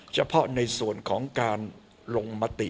เฉพาะในส่วนของการลงมติ